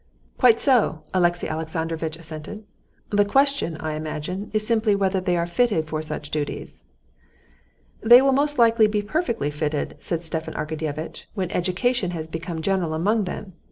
"Quite so," Alexey Alexandrovitch assented. "The question, I imagine, is simply whether they are fitted for such duties." "They will most likely be perfectly fitted," said Stepan Arkadyevitch, "when education has become general among them.